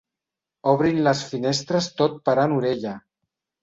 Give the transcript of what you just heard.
Obrin les finestres tot parant orella.